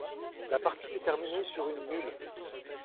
La partie s'est terminée sur une nulle.